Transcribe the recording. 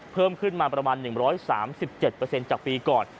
เพิ่มขึ้นมาประมาณ๑๓๗จากปีก่อน